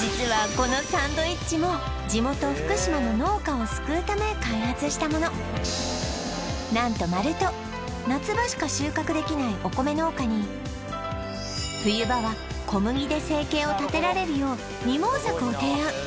このサンドイッチも地元したもの何とマルト夏場しか収穫できないお米農家に冬場は小麦で生計を立てられるよう二毛作を提案